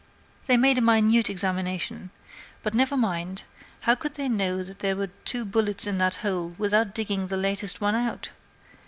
They made a "minute" examination; but never mind, how could they know that there were two bullets in that hole without digging the latest one out?